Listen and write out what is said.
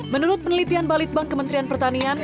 menurut penelitian balitbank kementerian pertanian